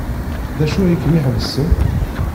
D acu ay kem-iḥebsen?